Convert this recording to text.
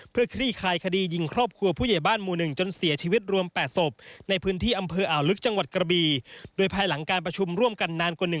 เพื่อคลี้คายคดียิงครอบครัวผู้เย็บบ้าน๔๕